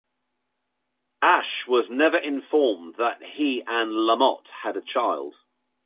Ash was never informed that he and LaMotte had a child.